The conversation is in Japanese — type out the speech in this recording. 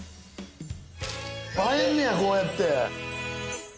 映えんねや、こうやって。